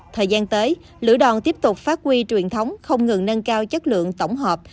thời gian tới lữ đoàn tiếp tục phát huy truyền thống không ngừng nâng cao chất lượng tổng hợp